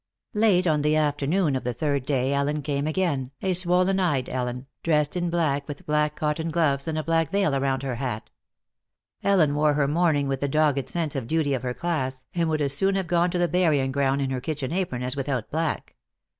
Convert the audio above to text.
Late on the afternoon of the third day Ellen came again, a swollen eyed Ellen, dressed in black with black cotton gloves, and a black veil around her hat. Ellen wore her mourning with the dogged sense of duty of her class, and would as soon have gone to the burying ground in her kitchen apron as without black.